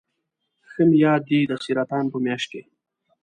ښه مې یاد دي د سرطان په میاشت کې.